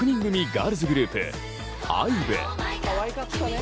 ガールズグループＩＶＥ。